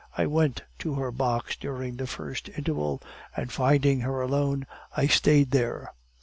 I went to her box during the first interval, and finding her alone, I stayed there.